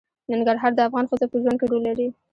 ننګرهار د افغان ښځو په ژوند کې رول لري.